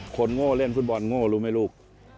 โง่เล่นฟุตบอลโง่รู้ไหมลูก